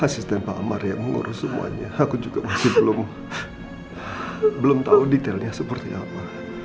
asisten pak amar yang mengurus semuanya aku juga masih belum tahu detailnya seperti apa